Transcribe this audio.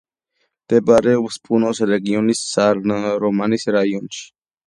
მდებარეობს პუნოს რეგიონის, სან-რომანის რაიონში.